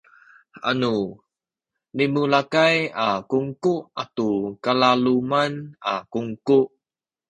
anu limulakay a kungku atu kalaluman a kungku